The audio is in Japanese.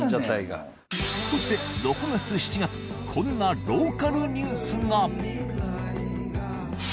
そして６月７月こんなローカルニュースが。